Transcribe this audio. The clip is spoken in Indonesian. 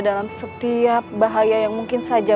dalam setiap bahaya yang mungkin saja